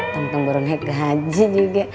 tentang baru naik gaji juga